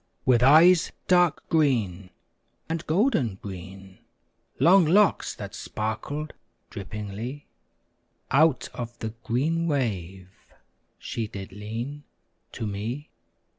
With eyes dark green, and golden green Long locks, that sparkled drippingly, Out of the green wave she did lean To me.